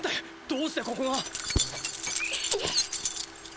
どうしてここがーー。